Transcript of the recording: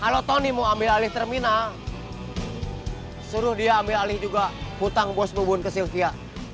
kalau tony mau ambil alih terminal suruh dia ambil alih juga hutang bos bubun ke sylvia